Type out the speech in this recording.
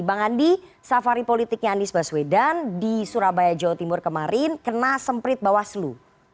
bang andi safari politiknya anies baswedan di surabaya jawa timur kemarin kena semprit bawaslu